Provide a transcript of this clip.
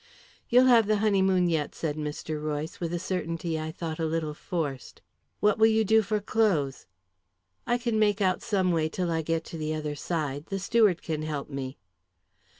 "You'll have the honeymoon yet," said Mr. Royce, with a certainty I thought a little forced. "What will you do for clothes?" "I can make out some way till I get to the other side the steward can help me."